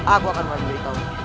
aku akan memberitahu